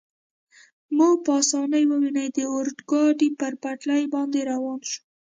مو په اسانۍ وویني، د اورګاډي پر پټلۍ باندې روان شو.